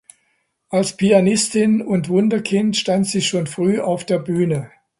Als Pianistin und Wunderkind stand sie schon früh auf der Bühne.